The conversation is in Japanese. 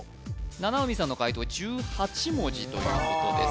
七海さんの解答１８文字ということです